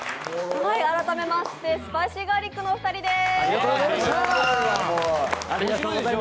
改めましてスパイシーガーリックのお二人です。